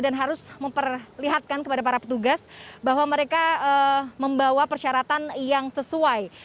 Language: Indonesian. dan harus memperlihatkan kepada para petugas bahwa mereka membawa persyaratan yang sesuai